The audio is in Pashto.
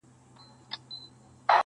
هسي ویني بهېدلې له پرهاره!.